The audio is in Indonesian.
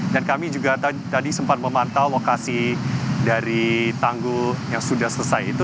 dan kami juga tadi sempat memantau lokasi dari tanggul yang sudah selesai itu